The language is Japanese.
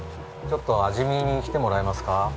ちょっと味見に来てもらいますか。